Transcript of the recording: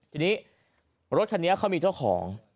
ทีนี้รถคันนี้เขามีเจ้าของ